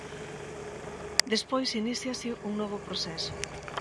Despois, iníciase un novo proceso.